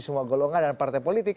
semua golongan dan partai politik